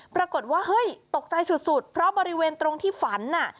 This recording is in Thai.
ปรากฏว่าเฮ้ยตกใจสุดเพราะบริเวณตรงที่ฝัน